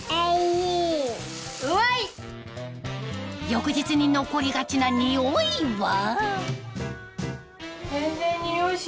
翌日に残りがちなにおいは？